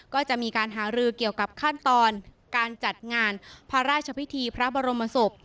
ก็จะมีการหารือเกี่ยวกับขั้นตอนการจัดงานพระราชพิธีพระบรมศพ